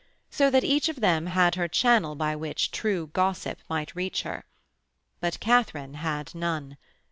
So that each of them had her channel by which true gossip might reach her. But Katharine had none.